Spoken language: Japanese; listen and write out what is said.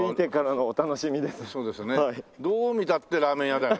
どう見たってラーメン屋だよね。